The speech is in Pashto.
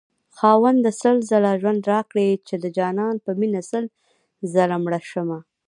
خاونده سل ځله ژوند راكړې چې دجانان په مينه سل ځله مړشمه